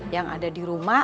yang ada di rumah